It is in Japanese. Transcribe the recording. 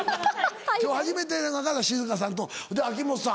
今日は初めての方が静さんと秋元さん。